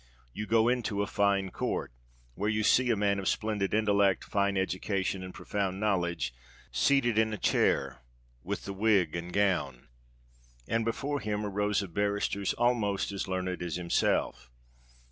You go into a fine court, where you see a man of splendid intellect, fine education, and profound knowledge, seated in a chair, with the wig and gown; and before him are rows of barristers almost as learned as himself.